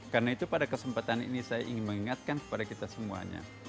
karena itu pada kesempatan ini saya ingin mengingatkan kepada kita semuanya